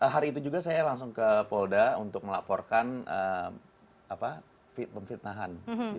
hari itu juga saya langsung ke polda untuk melaporkan pemfitnahan